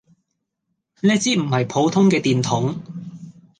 呢支唔係普通嘅電筒